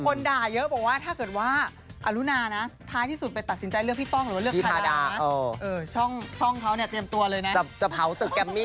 เขาบอกนะคุณผู้ชม